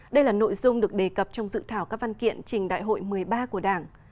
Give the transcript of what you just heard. đây là nội dung được đề cập trong dự thảo các văn kiện trình đại hội một mươi ba của đảng